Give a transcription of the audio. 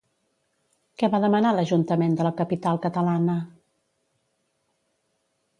Què va demanar l'Ajuntament de la capital catalana?